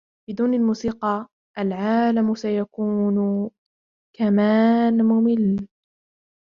بدون الموسيقى, العالم سيكون كمان مُمِل.